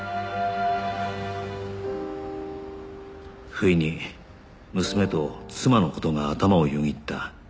不意に娘と妻の事が頭をよぎった